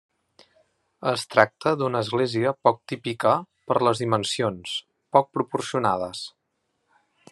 Es tracta d'una església poc típica per les dimensions, poc proporcionades.